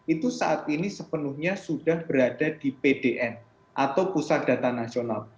itu saat ini sepenuhnya sudah berada di pdm atau pusat data nasional